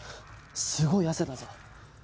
すごい汗だぞ。